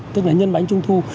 tức là nhân bánh trung thu